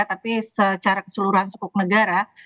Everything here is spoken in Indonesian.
tapi secara keseluruhan cukup negara